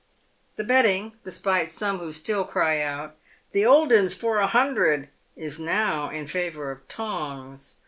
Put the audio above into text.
The betting, despite some who still cry out, " The old 'un for a hun dred," is now in favour of Tongs.